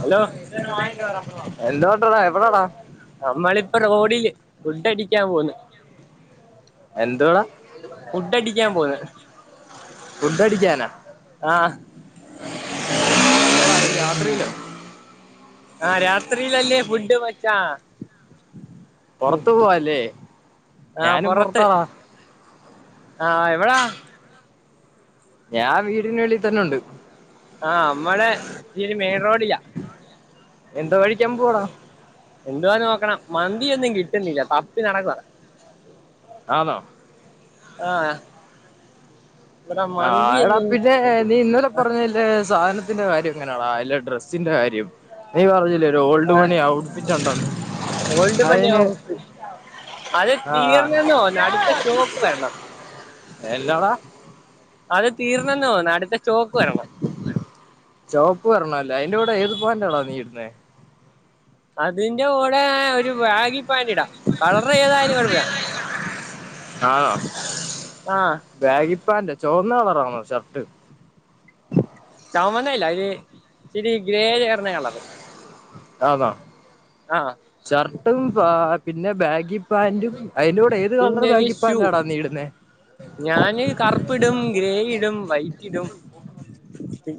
Hello എന്നവൊണ്ട് ടാ എവിടാടാ നമ്മളിപ്പോ റോഡില് ഫുഡടിക്കാൻ പോന്ന് എന്തുവാട ഫുഡ് അടിക്കാൻ പോന്ന് ഫുഡടിക്കാനാ ആ [inaudible] രാത്രില് ആഹ് രാത്രിലല്ലെ ഫുഡ് മച്ചാ മം പുറത്തു പോവല്ലേ ആഹ് ഞാനും പൊറത്ത് പുറത്താടാ ആഹ് എവിടാ ഞാൻ വീടിൻ്റെ വെളി തന്നെ ഉണ്ട് ആഹ് നമ്മടെ ഇച്ചിരി മെയിൻ റോഡില എന്തോ കഴിക്കാൻ പോവാട എന്തുവാന്ന് നോക്കണം മന്തിയൊന്നും കിട്ടുന്നില്ല തപ്പി നടക്കുവ ആന്നോ ആഹ് ആഹ് എടാ പിന്നെ നീ ഇന്നലെ പറഞ്ഞ ഇലെ സാധനത്തിന്റെ കാര്യം എങ്ങനാടാ ഇലെ ഡ്രസ്സിന്റെ കാര്യം നീ പറഞ്ഞില്ലേ ഒരു ഓൾഡ് ആ മണി ഔട്ട്‌ഫിറ്റ് ഉണ്ടെന്ന് ഓൾഡ് അയിന് പണിയാവും അത് തീർന്നന്ന് തോന്നുന്നു അടുത്ത സ്റ്റോക്ക് വരണം എന്നാടാ അത് തീർന്നെന്ന് തോന്നുന്ന് അടുത്ത സ്റ്റോക്ക് വരണം ചോപ്പ് വരണല്ലേ അതിന്റെ കൂടെ ഏത് പാൻ്റ് ആടാ നീ ഇടുന്നേ അതിന്റെ കൂടെ ഒരു ബാഗി പാൻ്റ് ഇടാം കളർ ഏതായാലും കുഴപ്പവില്ല ആണോ ആഹ് ബാഗി പാൻ്റോ ചുവന്ന കളറാണോ ഷർട്ട് ചുമന്ന അല്ല ഒരു ഇചിരി ഗ്രേ ചേർന്ന കളറ് ആന്നോ ആഹ് ഷർട്ടും പിന്നെ ബാഗി പാന്റും അതിന്റെ കൂടെ ഏത് കളർ പിന്നെ ഒരു ബാഗി ഷൂ പാൻ്റ് ആടാ നീ ഇടുന്നേ ഞാന് കറുപ്പ് ഇടും ഗ്രേ ഇടും വൈറ്റ് ഇടും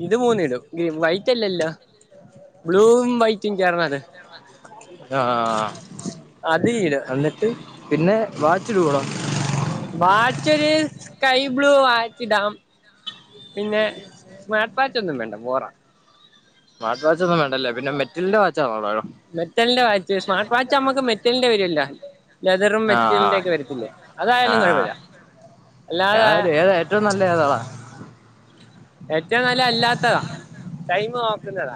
ഇത് മൂന്ന് ഇടും വൈറ്റ് അല്ലല്ലോ ബ്ലൂവും വൈറ്റും ചേർന്നത് ആഹ് അത് [unintelligible] എന്നിട്ട് പിന്നെ വാച്ച് ഇടുവോ ടാ വാച്ച് ഒരു സ്കൈ ബ്ലൂ വാച്ചിടാം പിന്നെ സ്മാർട്ട് വാച്ച് ഒന്നും വേണ്ട ബോറ സ്മാർട്ട് വാച്ച് ഒന്നും വേണ്ട അല്ലേ പിന്നെ മെറ്റിൽൻ്റെ വാച്ച് ആണോടാ മെറ്റലിന്റെ വാച്ച് സ്മാർട്ട് വാച്ച് നമ്മുക്ക് മെറ്റലിന്റെ വരില്ലോ ലെതറും മെറ്റിലിന്റെ ആഹ് ഒക്കെ വരത്തില്ലേ അതായാലും ആഹ് കുഴപ്പില്ല അല്ലാതെ ഞാനൊരു ഏതാ ഏറ്റവും നല്ല ഏതാടാ ഏറ്റവും നല്ല അല്ലാത്തതാ ടൈമ്നോക്ക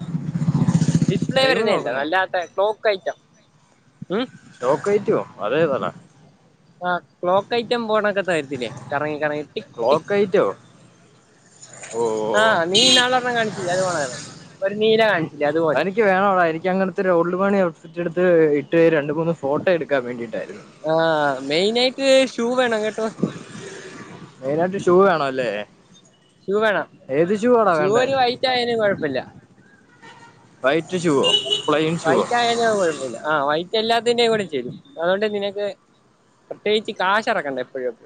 ഡിസ്പ്ലേ ടൈം വരുന്നേല്ല നോക്കുന്നേ അല്ലാത്ത ക്ലോക്ക് ഐറ്റം ഉം ക്ലോക്ക് ഐറ്റമോ അത് ഏതാടാ ആഹ് ക്ലോക്ക് ഐറ്റം പോണൊക്കെ തരത്തില്ലേ കറങ്ങി കറങ്ങി ക്ലോക്കയിറ്റോ ആഹ് നീ ഇന്നാള് ഒരെണ്ണം കാണിച്ചില്ലെ അത് പോലെ ഒരു നീല കാണി അത് എനിക്ക് വേണവടാ എനിക്കങ്ങനെ ത്തെ റോഡു പണി ഔട്ട്ഫിറ്റ് എടുത്ത് ഇട്ട് രണ്ട്മൂണ്ട് മ ഫോട്ടോ എടുക്കാൻ വേണ്ടിയിട്ടായിരുന്നു ആഹ് മെയിനായിട്ട് ഷൂ വേണം കേട്ടോ മെയിനായിട്ട് ഷൂ വേണല്ലേ ഏത് ഷൂ ആട വേണ്ടേ യാലും കുഴപ്പമില്ല വൈറ്റ് ഷൂവോ പ്ലെയിൻ ഷൂവോ വൈറ്റ് ആയാലും കുഴപ്പമില്ല ആഹ് വൈറ്റ് എല്ലാത്തിന്റെ കൂടെ ചേരും അതുകൊണ്ട് നിനക്ക് പ്രത്യേകിച്ച് കാശിറക്കണ്ട എപ്പോഴും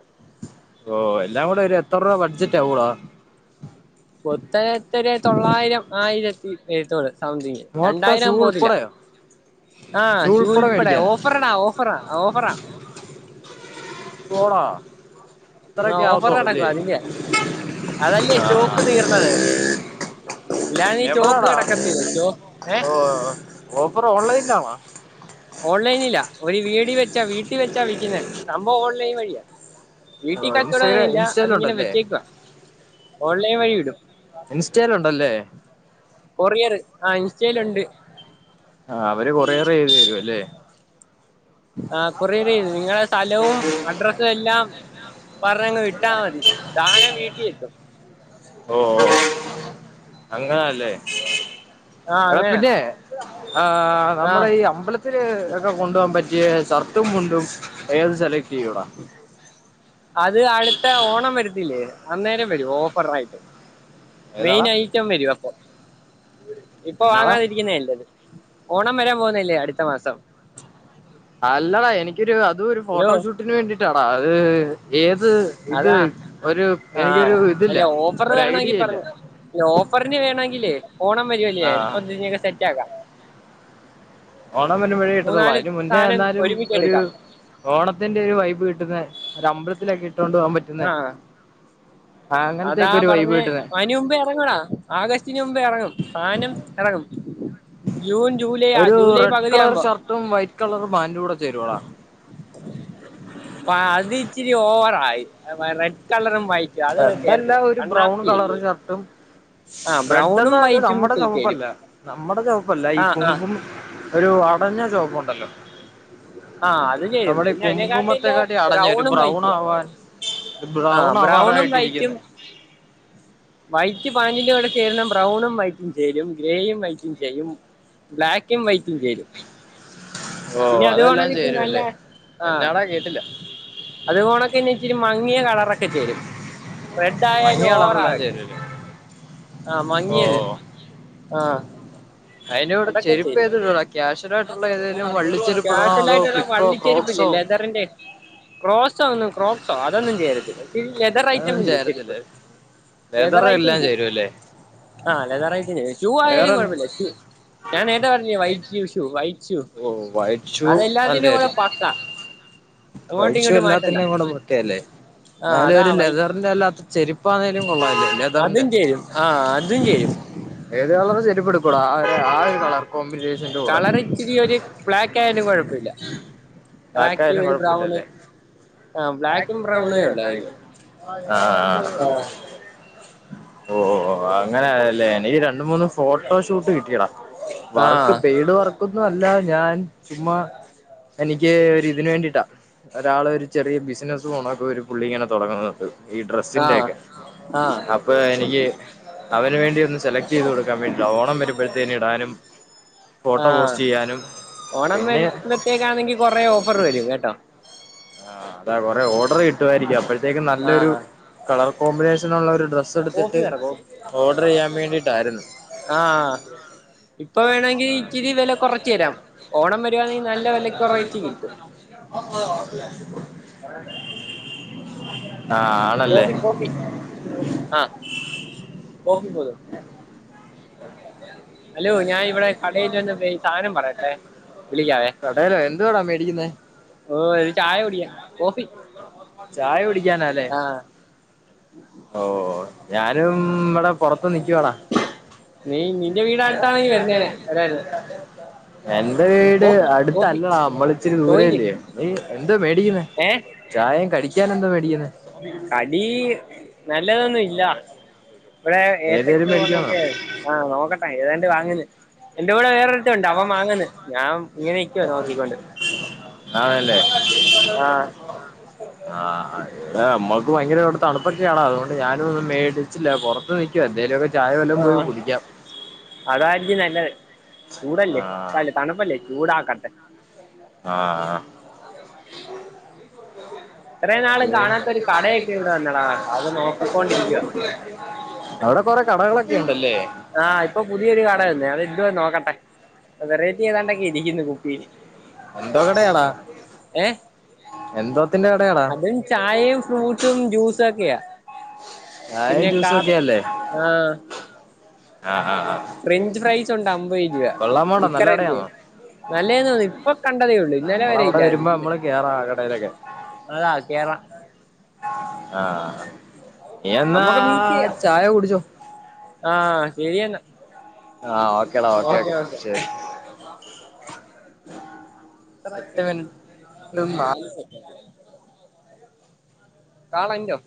ഓഹ് എല്ലാം കൂടെ ഒരു എത്ര രൂപ ബഡ്ജറ്റ് ആവൂവെടാ [unintelligible] തൊള്ളായിരം ആയിരത്തി വരുത്തോള് സംതിങ് മൊത്തം ഷൂ രണ്ടായിരം പോത്തില്ല ഉൾപ്പെടെയോ ആഹ് ഷൂ ഉൾപ്പെടെ ഉൽപടെ മേടിക്കാനാ ഓഫ് ഓഫറടാ ഓഫറാ ഓഫറാ പോടാ ആഹ് ഓഫർ [unintelligible] അതിന്റെയാ ആ സ്റ്റോക്ക് തീർന്നത് വരെ ഞാനീ ചോക്ക് എവിടാടാ കടക്കത്തില്ല ഓ ഏഹ് ഓഫർ ഓൺലൈൻലാണോ ഓൺലൈനിലാ ഒരു വീടിയോ വെച്ചാ വീട്ടി വെച്ചാ വിൽക്കുന്നെ സംഭവം ഓൺലൈൻ വഴിയാ വീട്ടിൽ ഓ കച്ചോടൊന്നും ഇൻസ്റ്റഗ്രാ ഇല്ല അതിങ്ങനെ ഇൻസ്റ്റയിലുണ്ടല്ലേ വെച്ചേക്കുവാ ഓൺലൈൻ വഴി വിടും ഇൻസ്റ്റേൽ ഉണ്ടല്ലേ കൊറിയറ് ആഹ് ഇൻസ്റ്റേലുണ്ട് ആഹ് അവര് കൊറിയറ് ചെയ്തു തരും അല്ലേ ആഹ് കൊറിയറ് ചെയ്യും നിങ്ങളുടെ സ്ഥലവും അഡ്രസ് എല്ലാം പറഞ്ഞങ്ങ് വിട്ടാ മതി സാനം വീട്ടിലെത്തും ഓഹ് ഓഹ് അങ്ങനാല്ലേ ആഹ് എടാ അങ്ങനെ പിന്നെ ആഹ് ആഹ് നമ്മുടെ ഈ അമ്പലത്തി ത്തിര് ഒക്കെ കൊണ്ടു പോവാൻ പറ്റിയ ഷർട്ടും മുണ്ടും ഏത് സെലക്ട് ചെയ്യൂവടാ അത് അടുത്ത ഓണം വരുത്തില്ലേ അന്നേരം വരും ഓഫറയിട്ട് ഏതാടാ മെയിനയി റ്റം വരും അപ്പൊ ഇപ്പൊ എന്നാടാ വാങ്ങാതിരിക്കുന്നതാ നല്ലത് ഓണം വരാൻ പോകുന്നല്ലേ അടുത്ത മാസം അല്ലടാ എനിക്കൊരു അതും ഒരു ഹലോ ഫോട്ടോഷൂട്ട് ട്ടിന് വേണ്ടിട്ടാടാ അത് ഏത് ഇത് അതാ ഒരു എനിക്കൊരു ആഹ് ഇതില്ല അല്ല ഓഫർ ഒരു വേണമെങ്കി ഐഡിയ ഇല്ല പറഞ്ഞോ ഓഫറിന് വേണ ങ്കിലേ ഓണം വരൂവല്ലേ അ ആഹ് പ്പൊ സെറ്റ് ആകാം ഓണം വരുമ്പോഴേ കിട്ടത്തുള്ളൂ മൂന്നാല് അതിന് മുന്നേ സാധനം ചെന്നാലും ഒരുമിച്ച് ഒരു എടുക്കാം ഓണത്തിന്റെ ഒരു വൈബ് കിട്ടുന്ന ഒരു അമ്പലത്തിലൊക്കെ ഇട്ടോണ്ട് പോകാൻ പറ്റുന്ന ആഹ് അതാ അങ്ങനത്തെയൊക്കെ ഒരു വൈബ് പറഞ്ഞേ കിട്ടുന്നെ അനിമുമ്പേ ഇറങ്ങോടാ ആഗസ്റ്റിന് മുമ്പേ ഇറങ്ങും സാനം ഇറങ്ങും ജൂൺ ജൂലൈ ആഹ് ജൂലൈ പകുതിയാവുമ്പോ റ്റവും വൈറ്റ് കളർ പ്ലാൻ്റും കൂടെ ചേരുവടാ അപ അത് ഇച്ചിരി ഓവറായി റെഡ് കളറും വൈറ്റ് റെഡല്ല ഒരു ബ്രൗൺ കളർ ഷർട്ടും ആ റെഡ്ന്ന് ബ്രൗണും പറഞ്ഞ വൈറ്റും നമ്മുടെ ശരി ചേരും ചൊമപ്പല്ല നമ്മുടെ ചോപ്പല്ല ഈ ആ ആ കുങ്കും ഒരു അടഞ്ഞ ചോപ്പ് ഉണ്ടല്ലോ. ആഹ്. നമ്മള് ഈ കുംകുമത്തെക്കാട്ടി അടഞ്ഞ ഒരു ബ്രൗൺ വൈറ്റും ആവാൻ ആ ബ്രൗൺ ബ്രൗണും വൈറ്റും ആവാറായിട്ടിരിക്കുന്ന വൈറ്റ് പാൻ്റിൻ്റെ കൂടെ ചേരുന്ന ബ്രൗണും വൈറ്റും ചേരും ഗ്രേയും വൈറ്റും ചെയ്യും. ബ്ലാക്കും വൈറ്റും ചേരും. ഓ പിന്നെ അത് അതെല്ലാം വേണങ്കി ഇച്ചിരി നല്ല ചേരുവല്ലേ ആഹ്. എന്നാടാ കേട്ടില്ല അത് കണക്കന്നെ ഇച്ചിരി മങ്ങിയ കളറൊക്കെ ചേരും റെഡ് ആയാലും മങ്ങിയ ഓവർ ആ കളറെല്ലാം ചേരുവല്ലേ ആഹ് ഓ മങ്ങിയത് ആഹ്. അതിൻ്റെ കൂടെ ചെരുപ്പ് ഏതെടുടാ ക്യാഷവൽ ആയിട്ടുള്ള ഏതേലും വള്ളിച്ചെരുപ്പ് ഇടണോ അതോ ഫ്ലിപ്പോ? ചെരിപ്പില്ലേ ക്രോക്സോ ലെതറിന്റെ ക്രോസോ ഒന്നും ക്രോപ്സോ അതൊന്നും ചേരത്തില്ല. ലെതർ ഐറ്റം അതൊന്നും ഇല്ലേ ചെരിപ്പ് ചേരത്തില്ല ലെതർ ഐറ്റം എല്ലാം ചേരും. ചേരുവല്ലേ ആഹ് ലെതർ ഐറ്റം ചേരും ഷൂ ആയാലും വേറെ കുഴപ്പമില്ല ഷൂ ഞാൻ നേരത്തെ പറഞ്ഞില്ലേ വൈറ്റ് ഷൂ വൈറ്റ് ഷൂ ഓ വൈറ്റ് ഷൂ അതെല്ലാത്തിനും കൂടെ നല്ലയായിരുന്നു. പക്ക അങ്ങോട്ടും വൈറ്റ് ഷൂ ഇങ്ങോട്ടും മാറ്റണ്ട എല്ലാത്തിന്നെ കൂടെ ഓക്കെയല്ലേ? ആ എന്നാലും അതാ ഒരു വൈറ്റ് ലെതറിന്റെ അല്ലാത്ത ചെരുപ്പാന്നേലും കൊള്ളാല്ലേ? അതും ലെതറിന്റെ ചേരും ആഹ് അതും ചേരും. ഏത് കളർ ചെരിപ്പടുക്കൂടാ [unintelligible] കളർ കോമ്പിനേഷൻ കളർ ഇച്ചിരി ഒരു ബ്ലാക്ക് ആയാലും കുഴപ്പമില്ല. ബ്ലാക്ക് ബ്ലാക്കായലും ഒരു ബ്രൗണ് കൊഴപ്പില്ലല്ലേ? ആ ബ്ലാക്കും ബ്രൗണേ ഉള്ളു അതിന് [unintelligible] ആഹ്. ഓ ഓ അങ്ങനെല്ലേ എനിക്ക് രണ്ട് മൂന്നു ഫോട്ടോഷൂട്ട് കിട്ടിടാ ആ വർക്ക് പെയ്ഡ് വർക്ക് തൊന്നും അല്ല ഞാൻ ചുമ്മാ എനിക്ക് ഒരു ഇതിന് വേണ്ടിട്ടാ. ഒരാള് ഒരു ചെറിയ ബിസിനസ്സ് പോണൊക്കെ ഒരു പുള്ളി ഇങ്ങനെ തുടങ്ങുന്നുണ്ട്. ഈ ആ ഡ്രസ്സിന്റെയൊക്കെ ആ അപ്പൊ എനിക്ക് അവന് വേണ്ടി ഒന്ന് സെലക്ട് ചെയ്ത് കൊടുക്കാൻ വേണ്ടിട്ട ഓണം വരുമ്പോഴത്തേനും ഇടാനും ആ ഫോട്ടോ ആ പോസ്റ്റ് ചെയ്യാനും പിന്നെ ണെങ്കിൽ കുറെ ഓഫർ വരും കേട്ടോ. ആഹ് അതാ കൊറെ ഓർഡർ കിട്ടുവായിരിക്കും അപ്പോഴത്തേക്കും നല്ലൊരു ആഹ് കളർ കോമ്പിനേഷനുള്ള ഒരു കോഫി എടുത്തിട്ട് പറ കോഫി ഓർഡർ ചെയ്യാൻ വേണ്ടിട്ടായിരുന്നു. ആഹ് ഇപ്പൊ വേണമെങ്കിൽ ഇച്ചിരി വില കുറച്ചു തരാം. ഓണം വരുവാണെങ്കിൽ നല്ല വിലക്ക കുറവേട്ട് കിട്ടും. ആഹ് ആണല്ലേ? [inaudible] ആഹ് [unintelligible] അലോ ഞാൻ ഇവിടെ കടയിൽ വന്ന് സാധനം പറയട്ടെ വിളിക്കാവേ. ല്ലോ എന്തുവാടാ മേടിക്കുന്ന? ഓ ഒരു ചായ കുടിക്കാൻ കോഫി ചായ കുടിക്കാനല്ലേ? ആഹ് [inaudible] ഓ ഞാനും ഇവിടെ പുറത്ത് നിക്കുവാടാ. നീ നി നിന്റെ നിൻ്റെ വീട് അടുത്താണെ അടുത്താണെങ്കിൽ വരുന്നേനെ വന്നേനം വരായിരുന്നു [unintelligible] എന്റെ വീട് കോഫി കോഫി അടുത്തല്ലടാ നമ്മള് ഇച്ചിരി ചോയിക്ക് ദൂരല്ലേ നീ എന്തോ മേടിക്കുന്ന? ഏഹ് ചായം കടിക്കൻ എന്താ മേടിക്കുന്ന? കടി നല്ലതൊന്നും ഇല്ല ഇവിടെ ഏത്തക്ക ഏതേലും പോലെ മേടിക്കാന്നോ ക്കെ ആഹ് നോക്കട്ടെ ഏതാണ്ട് വാങ്ങ എന്റെ കൂടെ വേറൊരുത്തൻ ഉണ്ട് അവൻ വാങ്ങന്ന് ഞാൻ ഇങ്ങനെ നിക്കുവാ നോക്കിക്കൊണ്ട്. ആണല്ലേ? ആ ആഹ അത നമ്മക്ക് ഭയങ്കര തണുപ്പൊക്കെയാണോ അതുകൊണ്ട് ഞാനും ഒന്നും മേടിച്ചില്ല പുറത്ത് നി എന്തങ്കലുക്കെ ചായെല്ലം ആ പോയി കുടിക്കാം അതായിരിക്കും നല്ലത് ചൂടല്ലേ ആഹ് തണുപ്പല്ലേ ചൂടാക്കട്ടെ ആഹ [inaudible] ഇത്ര നാളും കാണാത്തൊ ഒരു കടയൊക്കെ ഇവിടെ വന്നടാ അത് നോക്കിക്കൊണ്ടിരിക്കുവ അവിടെ കൊറെ കടകളൊക്കെ ഉണ്ടല്ലേ ആഹ് ഇപ്പൊ പുതിയൊരു കട വന്ന് അത് യെന്തുവാ നോക്കട്ടെ വെറൈറ്റി ഏതാണ്ടൊക്കെ ഇരിക്കുന്നു കുപ്പിൽ എന്തോ കടയഡാ ഏ കടയാടാ അതും ചായയും ഫ്രൂട്ടും ജ്യൂസ ഒക്കെയ ചായയും പിന്നെ കാ ജ്യൂസും ഒക്കെ അല്ലേ ആഹ ആഹ് ആഹ് ആഹ് ഫ്രഞ്ച് ഫ്രൈസ് ഉണ്ട് അമ്പത് രൂപ കൊള്ളാമോടാ സിക്കർ നല്ല ടിക്കെ കടയാണോ നല്ലേ തോന്നുന്നു ഇപ്പൊ കണ്ടതേ ഉള്ളൂ ഇന്നലെ വരെ ഇല്ലയി വരുമ്പ നമ്മള് കേറാം ആ കടയിലൊക്കെ അതാ കേറം ആഹ ഇയ്‌എന്നാ നമ്മുക്ക് മീറ്റ് ചെയ്യാം ചായ കുടിച്ചോ ആഹ് ശരിയെന്ന ആഹ് ഓക്കേടാ ഓക്കെ ഓക്കെ ശരി എട്ട് [unintelligible] മിനിറ്റും നാല് സക്കാന്റ് കാളന്റെ